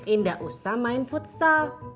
indah usah main futsal